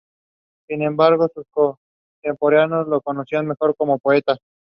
Sin embargo, sus contemporáneos lo conocían mejor como poeta.